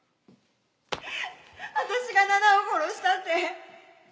私が奈々を殺したって。